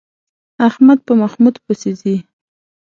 احمد په محمود پسې ځي.